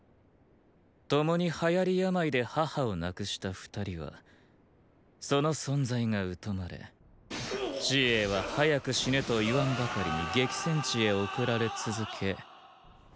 共に流行病で母を亡くした二人はその存在が疎まれ紫詠は「早く死ね」と言わんばかりに激戦地へ送られ続けウオオオオオッ！！